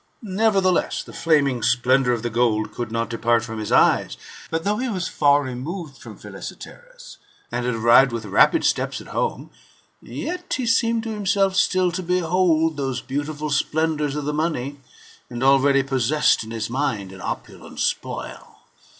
Nevertheless, the ^ flaming splendours of the gold could not depart from his eyes ;<^— ^s^^ though he was far removed from Philesietaerus, and had c>foxFORm GOLDEN ASS, OF APULEIUS. — BOOK IX. 1 53 arrived with rapid steps at home, yet he seemed to himself still to behold those beautiful splendours of the money, and already possessed in his mind an opulent spoil.